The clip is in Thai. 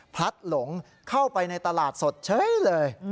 พลัดหลงเข้าไปในตลาดสดเฉยเลย